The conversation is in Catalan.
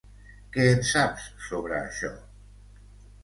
Què en saps sobre això?